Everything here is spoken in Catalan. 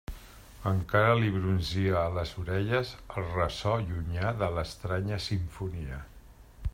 Encara li brunzia a les orelles el ressò llunyà de l'estranya simfonia.